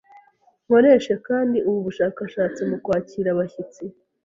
Nkoresha kandi ubu bushakashatsi mukwakira abashyitsi.